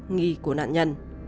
nghi của nạn nhân